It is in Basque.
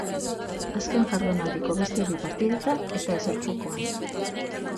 Azken jardunaldiko beste bi partidetan ez da ezer jokoan.